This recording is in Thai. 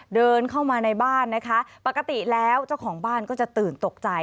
เดินเข้ามาในบ้านนะคะปกติแล้วเจ้าของบ้านก็จะตื่นตกใจ